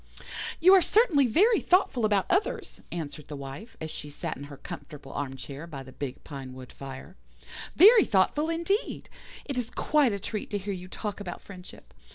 "'You are certainly very thoughtful about others,' answered the Wife, as she sat in her comfortable armchair by the big pinewood fire; 'very thoughtful indeed. It is quite a treat to hear you talk about friendship.